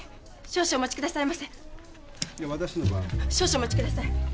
少々お待ちください。